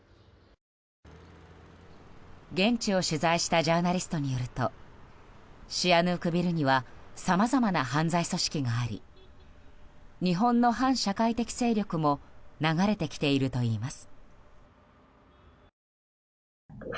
現地を取材したジャーナリストによるとシアヌークビルにはさまざまな犯罪組織があり日本の反社会的勢力も流れてきているといいます。